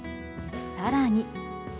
更に。